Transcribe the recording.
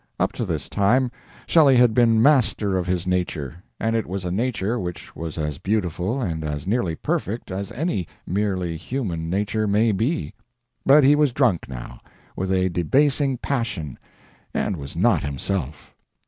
Up to this time Shelley had been master of his nature, and it was a nature which was as beautiful and as nearly perfect as any merely human nature may be. But he was drunk now, with a debasing passion, and was not himself.